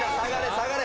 下がれ